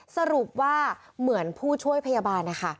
สรุปว่าเหมือนผู้ช่วยพยาบาลนะคะ